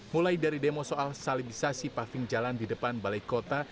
mulai dari demo soal salibisasi paving jalan di depan balai kota